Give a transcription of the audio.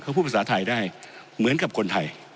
เขาพูดภาษาไทยได้เหมือนกับคนไทย